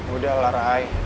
udah lah rai